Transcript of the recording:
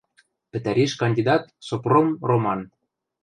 — Пӹтӓриш кандидат Сопром Роман.